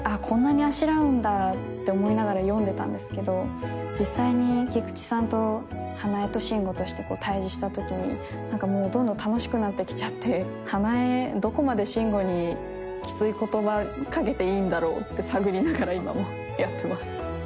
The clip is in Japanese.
こんなにあしらうんだって思いながら読んでたんですけど実際に菊池さんと花枝と慎吾として対峙した時になんかもうどんどん楽しくなってきちゃって花枝どこまで慎吾にキツい言葉かけていいんだろうって探りながら今もやってます